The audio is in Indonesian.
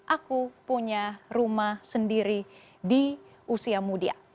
aku punya rumah sendiri di usia muda